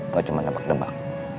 bukan cuma debak debak